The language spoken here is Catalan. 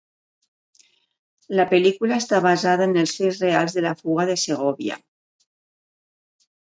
La pel·lícula està basada en els fets reals de la fuga de Segòvia.